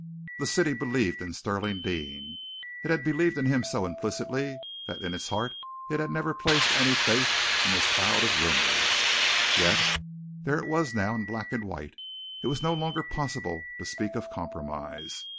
The city believed in Stirling Deane it had believed in him so implicitly that in its heart it had never placed any faith in this cloud of rumors. Yet there it was now in black and white. It was no longer possible to speak of compromise.